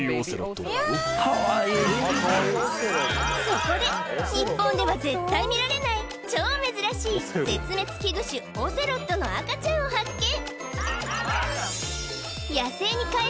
そこで日本では絶対見られない超珍しい絶滅危惧種オセロットの赤ちゃんを発見